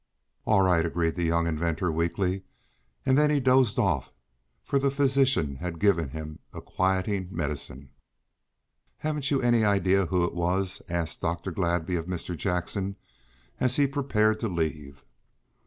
"All right," agreed the young inventor weakly, and then he dozed off, for the physician had given him a quieting medicine. "Haven't you any idea who it was?" asked Dr. Gladby of Mr. Jackson, as he prepared to leave.